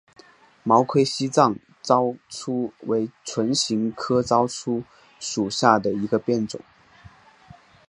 毛盔西藏糙苏为唇形科糙苏属下的一个变种。